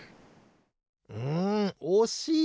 うんおしい！